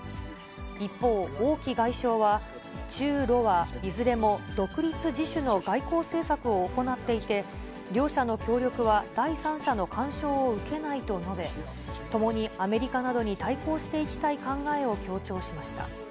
一方、王毅外相は、中ロはいずれも、独立自主の外交政策を行っていて、両者の協力は第三者の干渉を受けないと述べ、共にアメリカなどに対抗していきたい考えを強調しました。